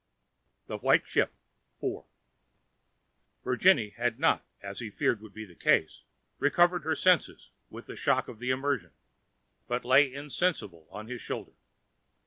THE WHITE SHIP.—IV. Virginie had not, as he feared would be the case, recovered her senses with the shock of the immersion, but lay insensible on his shoulder.